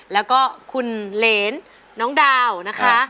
แล้วก็คุณเหรนน้องดาวนะคะ